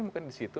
mungkin di situ